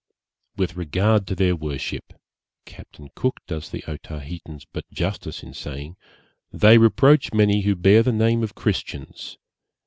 'With regard to their worship,' Captain Cook does the Otaheitans but justice in saying, 'they reproach many who bear the name of Christians.